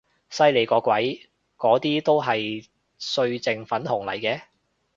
犀利個鬼，嗰啲都係歲靜粉紅嚟嘅